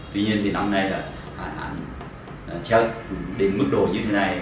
tuy nhiên thì năm nay là hạn hán chất đến mức độ như thế này